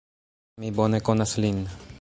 Mi bone konas lin.